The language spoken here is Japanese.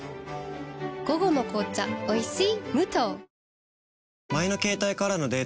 午後の紅茶おいしい